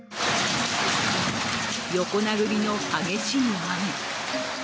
横殴りの激しい雨。